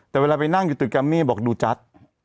แต่เวลาไปนั่งอยู่ตึกแกมมี่บอกดูจัด